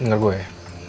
dengar gue ya